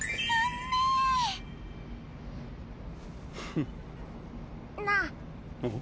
フッ。なぁ。